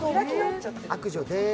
「悪女です」。